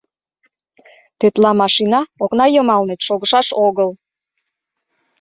— Тетла машина окна йымалнет шогышаш огыл.